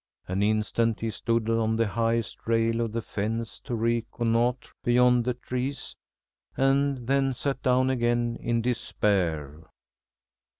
An instant he stood on the highest rail of the fence to reconnoitre beyond the trees, and then sat down again in despair.